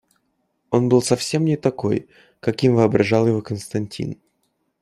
Он был совсем не такой, каким воображал его Константин.